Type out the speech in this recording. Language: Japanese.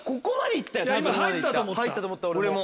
入ったと思った俺も。